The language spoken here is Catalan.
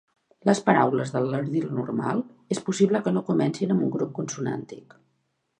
Les paraules del lardil normal és possible que no comencin amb un grup consonàntic.